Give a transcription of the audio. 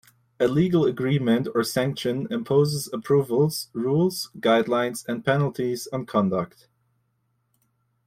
A legal agreement or sanction imposes approvals, rules, guidelines and penalties on conduct.